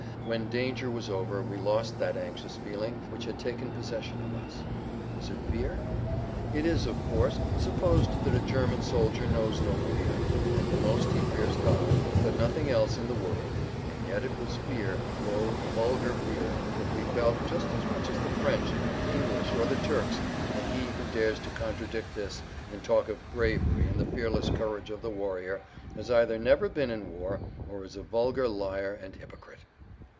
When danger was over we lost that anxious feeling which had taken possession of us. Was it fear? It is, of course, supposed that a German soldier knows no fear—at the most he fears God, but nothing else in the world—and yet it was fear, low vulgar fear that we feel just as much as the French, the English, or the Turks, and he who dares to contradict this and talk of bravery and the fearless courage of the warrior, has either never been in war, or is a vulgar liar and hypocrite.